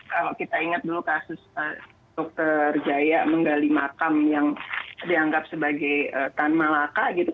kalau kita ingat dulu kasus dr jaya menggali makam yang dianggap sebagai tan malaka gitu